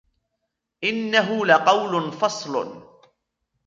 إِنَّهُ لَقَوْلٌ فَصْلٌ